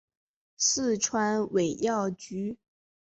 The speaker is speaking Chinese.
四川尾药菊